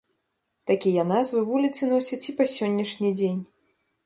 Такія назвы вуліцы носяць і па сённяшні дзень.